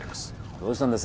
どうしたんです？